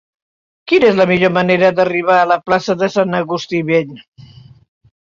Quina és la millor manera d'arribar a la plaça de Sant Agustí Vell?